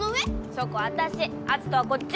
そこ私篤斗はこっち！